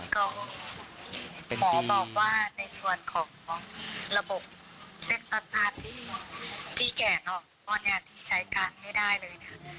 ก็หมอบอกว่าในส่วนของระบบเช็คสภาพที่พี่แก่เนอะตอนนี้ที่ใช้การไม่ได้เลยนะ